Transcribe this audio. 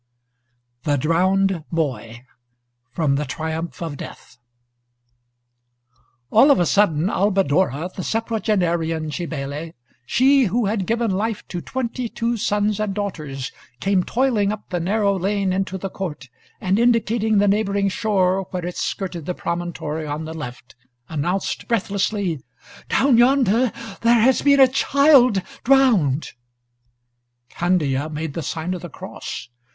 THE DROWNED BOY From 'The Triumph of Death' All of a sudden, Albadora, the septuagenarian Cybele, she who had given life to twenty two sons and daughters, came toiling up the narrow lane into the court, and indicating the neighboring shore, where it skirted the promontory on the left, announced breathlessly: "Down yonder there has been a child drowned!" Candia made the sign of the cross.